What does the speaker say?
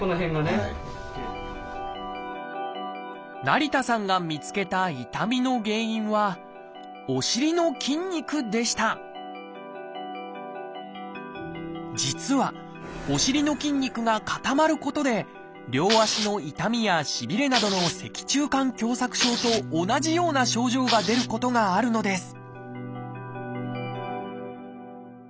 成田さんが見つけた痛みの原因はお尻の筋肉でした実はお尻の筋肉が固まることで両足の痛みやしびれなどの脊柱管狭窄症と同じような症状が出ることがあるのです